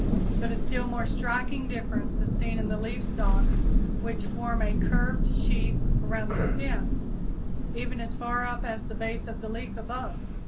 But a still more striking difference is seen in the leaf stalks which form a curved sheath around the stem even as far up as the base of the leaf above.